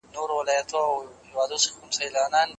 ایا تاسي په خپل حساب کې امنیتي کوډ لګولی؟